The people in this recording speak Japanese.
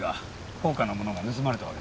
高価なものが盗まれたわけでも。